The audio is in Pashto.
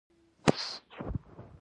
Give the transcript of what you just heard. هماغه کال بلګونه له وخته وړاندې ورژېدل.